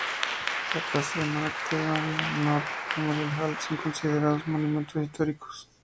La casa de Mark Twain y el Nott Memorial Hall son considerados monumentos históricos.